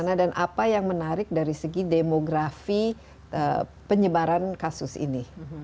jadi apa yang menarik dari segi demografi penyebaran kasus ini